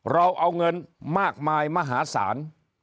เราเอาเงินมากมายมหาศาล